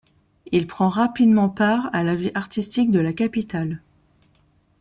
Il prend rapidement part à la vie artistique de la capitale.